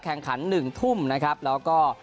แข่งขัน๑ทุ่มนะครับแล้วก็